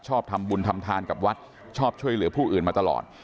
ชอบทำบุญทำทานกับวัดชอบช่วยเหลือผู้อื่นมาตลอด